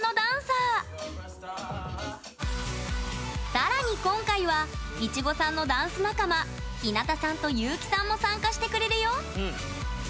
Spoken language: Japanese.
さらに、今回はいちごさんのダンス仲間ひなたさんと、ゆうきさんも参加してくれるよ。